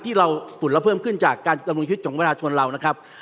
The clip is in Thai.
ที่เราสุดแล้วเพิ่มขึ้นจากการจำนวนคิดของประชาชนเรานะครับ